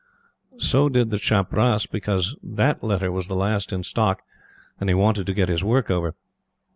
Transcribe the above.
So did the chaprasss, because that letter was the last in stock and he wanted to get his work over.